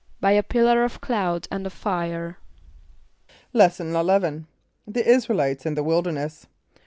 =By a pillar of cloud and of fire.= Lesson XI. The Israelites in the Wilderness.